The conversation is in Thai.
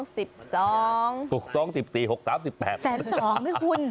แสนสองมั้ยคุณ